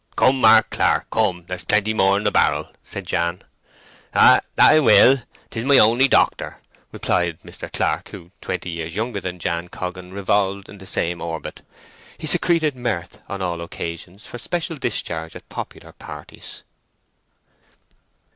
"Come, Mark Clark—come. Ther's plenty more in the barrel," said Jan. "Ay—that I will, 'tis my only doctor," replied Mr. Clark, who, twenty years younger than Jan Coggan, revolved in the same orbit. He secreted mirth on all occasions for special discharge at popular parties.